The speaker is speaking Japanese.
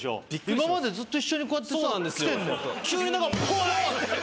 今までずっと一緒にこうやってさきてんのそうなんですよ